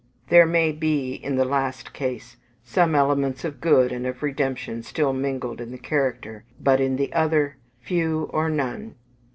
There may be, in the last case, some elements of good and of redemption still mingled in the character; but, in the other, few or none.